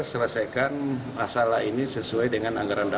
selesaikan masalah ini sesuai dengan anggaran dasar